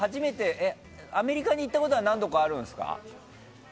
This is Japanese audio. アメリカに行ったことは何度かあるんですか？